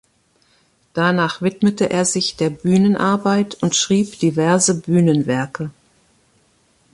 Danach widmete er sich der Bühnenarbeit und schrieb diverse Bühnenwerke.